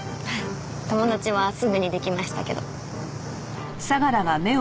友達はすぐに出来ましたけど。